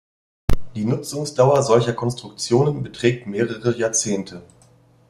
Die Nutzungsdauer solcher Konstruktionen beträgt mehrere Jahrzehnte.